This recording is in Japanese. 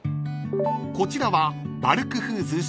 ［こちらは］